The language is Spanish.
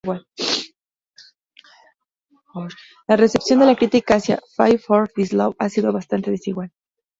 La recepción de la crítica hacia "Fight for This Love" ha sido bastante desigual.